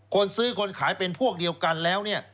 คนซื้อคนขายเป็นพวกเดียวกันแล้วเนี่ย